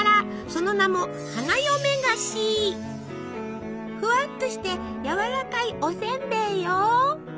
その名もふわっとしてやわらかいおせんべいよ。